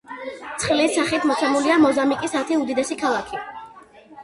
ცხრილის სახით მოცემულია მოზამბიკის ათი უდიდესი ქალაქი.